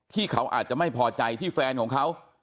ที่เขาอาจจะไม่พอใจที่แฟนของเขา